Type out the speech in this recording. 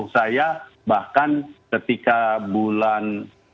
saya bahkan ketika bulan